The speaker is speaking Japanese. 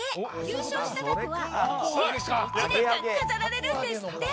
優勝したたこは市役所で１年間飾られるんですって。